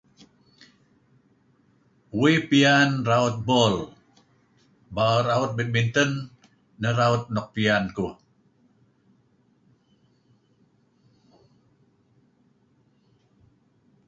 Uih piyan raut bol ba raut badminton neh raut nuk piyan kuh,